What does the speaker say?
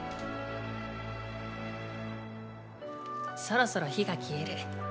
そろそろ火が消える。